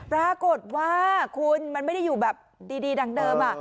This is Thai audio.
ปรากฏว่าคุณมันไม่ได้อยู่แบบดีดังเดิม